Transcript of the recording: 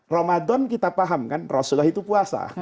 ramadan kita paham kan rasulullah itu puasa